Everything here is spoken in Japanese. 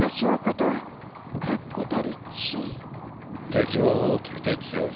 敵は大きくて強い。